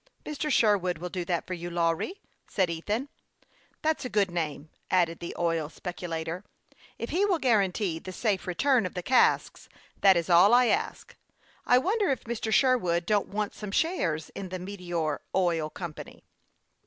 " Mr. Sherwood will do that for you, Lawry," said Ethan. " That's a good name," added the oil speculator. " If he will guarantee the safe return of the casks, that is all I ask. I wonder if Mr. Sherwood don't want some shares in the Meteor Oil Company."